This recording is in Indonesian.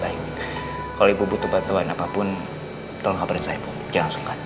baik kalau ibu butuh bantuan apapun tolong kabarin saya bu saya langsungkan